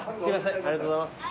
ありがとうございます。